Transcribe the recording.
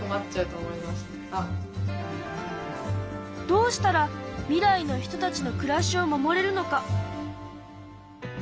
どうしたら未来の人たちの暮らしを守れるのか？